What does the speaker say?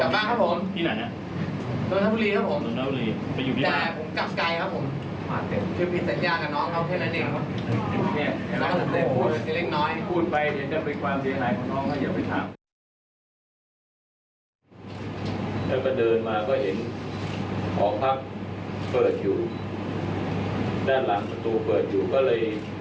ฟังแล้วฟินาคส่วนตัวเลยจะไปถ่ายบีอะไรบีก็อะไร